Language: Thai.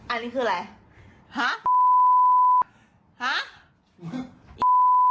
อันนี้คืออะไร